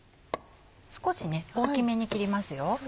少しね大きめに切ります。